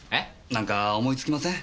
なんか思いつきません？